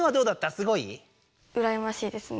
すごい？うらやましいですね。